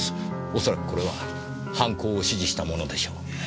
恐らくこれは犯行を指示したものでしょう。